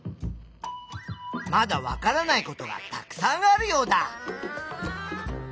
まだわからないことがたくさんあるヨウダ！